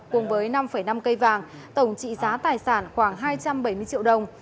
cùng với năm năm cây vàng tổng trị giá tài sản khoảng hai trăm bảy mươi triệu đồng